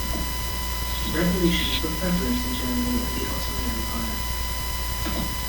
Revolutions were prevalent in Germany and the Ottoman Empire.